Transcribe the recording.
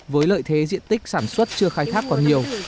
với lợi thế diện tích sản xuất chưa khai thác còn nhiều